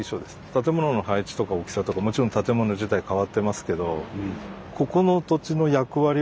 建物の配置とか大きさとかもちろん建物自体変わってますけどま